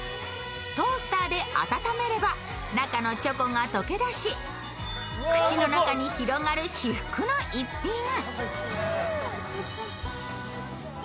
トースターで温めれば中のチョコが溶け出し口の中に広がる至福の逸品。